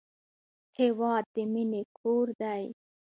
هېواد د مینې کور دی.